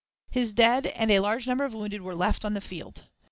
His dead and a large number of wounded were left on the field.